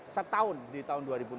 setahun di tahun dua ribu enam belas